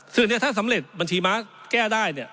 ซึ่งอันนี้ถ้าสำเร็จบัญชีม้าแก้ได้เนี่ย